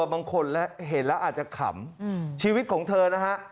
บางคนเห็นแล้วอาจจะขำชีวิตของเธอนะฮะ